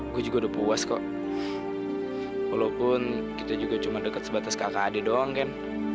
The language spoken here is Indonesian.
gue juga udah puas kok walaupun kita juga cuma dekat sebatas kakak adik doang kan